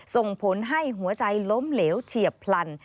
ส่งผลให้หัวใจล้มเหลวเฉียบพลัน